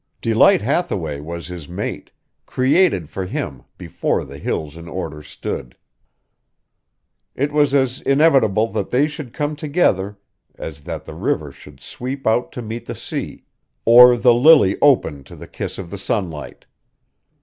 Delight Hathaway was his mate, created for him before the hills in order stood. It was as inevitable that they should come together as that the river should sweep out to meet the sea, or the lily open to the kiss of the sunlight.